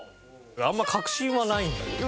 あんま確信はないんだけど。